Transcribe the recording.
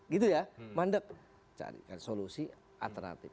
gitu ya mandek carikan solusi alternatif